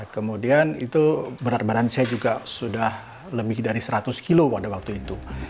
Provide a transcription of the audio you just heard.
kemudian itu berat badan saya juga sudah lebih dari seratus kilo pada waktu itu